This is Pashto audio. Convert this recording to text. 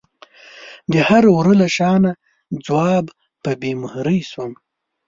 د هر وره له شانه ځواب په بې مهرۍ شوم